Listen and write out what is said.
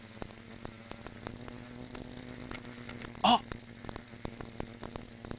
あっ！